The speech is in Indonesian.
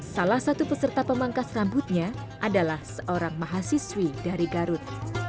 salah satu peserta pemangkas rambutnya adalah seorang mahasiswi dari garut